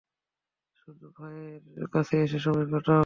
শুধু ভাইয়ের কাছে এসে সময় কাটাও।